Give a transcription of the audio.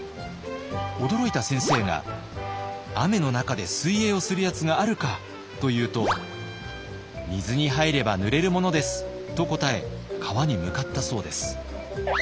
驚いた先生が「雨の中で水泳をするやつがあるか」と言うと「水に入ればぬれるものです」と答え川に向かったそうです。